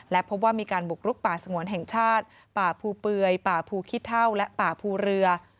และพบว่ามีการบุกลุกป่าสงวนแห่งชาติป่าภูเปื่อยป่าภูขี้เท่าและป่าภูเรือ